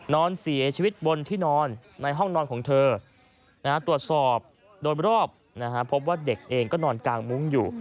นอนเสียชีวิตบนที่นอนในห้องนอนของเธอตรวจสอบโดยรอบพบว่าเด็กเองก็นอนกางมุ้งอยู่